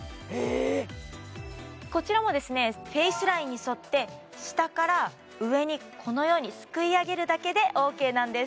えっこちらもフェイスラインに沿って下から上にこのようにすくい上げるだけでＯＫなんです